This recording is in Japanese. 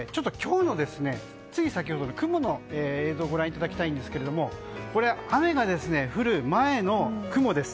つい先ほどの雲の映像をご覧いただきたいんですが雨が降る前の雲です。